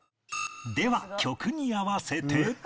では曲に合わせて